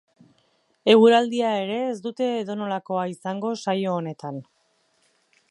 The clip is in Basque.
Eguraldia ere ez dute edonolakoa izango saio honetan.